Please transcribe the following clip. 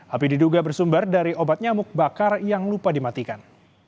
api diduga bersumber dari obat nyamuk bakar yang lupa dimatikan